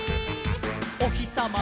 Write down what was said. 「おひさま